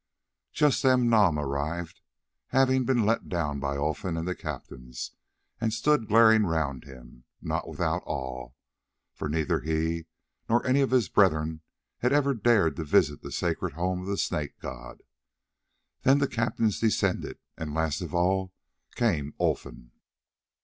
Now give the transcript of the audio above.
Just then Nam arrived, having been let down by Olfan and the captains, and stood glaring round him, not without awe, for neither he nor any of his brethren had ever dared to visit the sacred home of the Snake god. Then the captains descended, and last of all came Olfan.